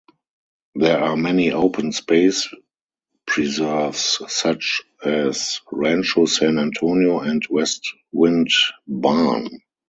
There are many open space preserves, such as Rancho San Antonio and Westwind Barn.